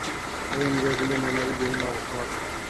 এই ইন্দ্রিয়গুলি মনেরই বিভিন্ন অবস্থা মাত্র।